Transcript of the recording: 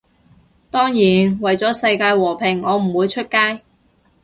當然，為咗世界和平我唔會出街